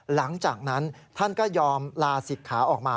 หลังจากนั้นท่านก็ยอมลาศิกขาออกมา